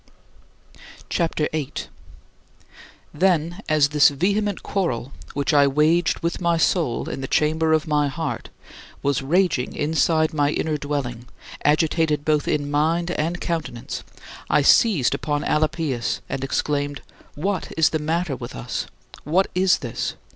CHAPTER VIII 19. Then, as this vehement quarrel, which I waged with my soul in the chamber of my heart, was raging inside my inner dwelling, agitated both in mind and countenance, I seized upon Alypius and exclaimed: "What is the matter with us? What is this?